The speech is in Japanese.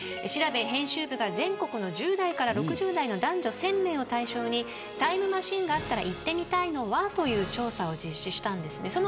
しらべぇ編集部が全国の１０代から６０代の男女１０００名を対象にタイムマシンがあったら行ってみたいのはという調査を実施したんですね。